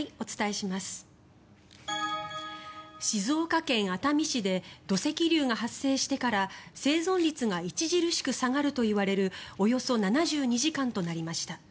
静岡県熱海市で土石流が発生してから生存率が著しく下がるといわれるおよそ７２時間となりました。